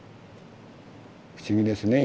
不思議ですね